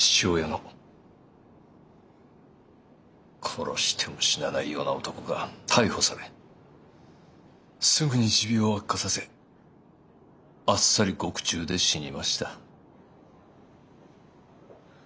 殺しても死なないような男が逮捕されすぐに持病を悪化させあっさり獄中で死にました。